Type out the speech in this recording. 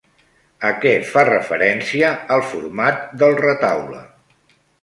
A què fa referència el format del retaule?